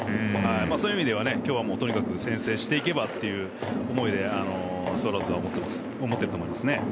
そういう意味では今日はとにかく先制していけばという思いをスワローズは持っていると思います。